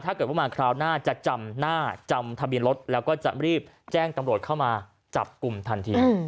ถ้าเกิดว่ามาคราวหน้าจะจำหน้าจำทะเบียนรถแล้วก็จะรีบแจ้งตำรวจเข้ามาจับกลุ่มทันที